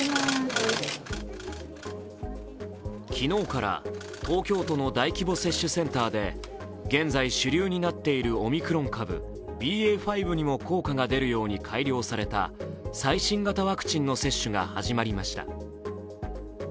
昨日から、東京都の大規模接種センターで現在主流になっているオミクロン株ＢＡ．５にも効果が出るように改良された最新型ワクチンの接種が始まりました。